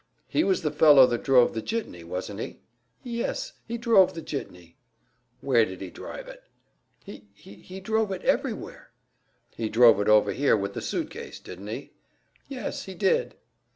"He was the fellow that drove the jitney, wasn't he?" "Y y yes, he drove the jitney." "Where did he drive it?" "H h he drove it everywhere." "He drove it over here with the suit case, didn't he?" "Yes, he did."